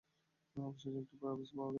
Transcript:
অবশেষে একটু প্রাইভেসি পাওয়া গেল।